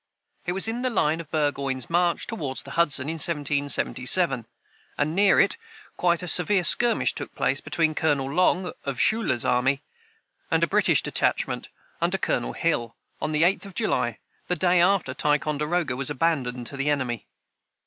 It was in the line of Burgoyne's march toward the Hudson, in 1777; and near it quite a severe skirmish took place between Colonel Long, of Schuyler's army, and a British detachment under Colonel Hill, on the 8th of July, the day after Ticonderoga was abandoned to the enemy.